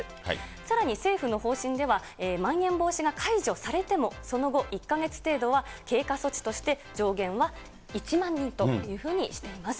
さらに、政府の方針ではまん延防止が解除されても、その後１か月程度は経過措置として、上限は１万人というふうにしています。